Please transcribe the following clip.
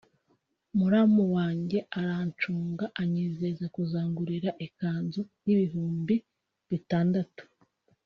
muramu wanjye arancunga anyizeza kuzangurira ikanzu y’ibihumbi bitandatu